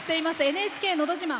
「ＮＨＫのど自慢」。